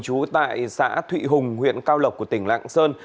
trú tại xã thụy hùng huyện cao lộc của tỉnh lạng sơn